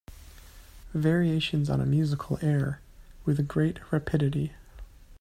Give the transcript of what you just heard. Variations on a musical air With great rapidity.